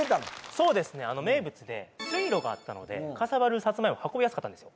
そうですね名物で水路があったのでかさばるさつまいも運びやすかったんですよ